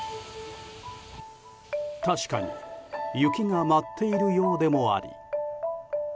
確かに雪が舞っているようでもあり。